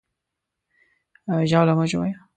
ژاوله مه ژویه!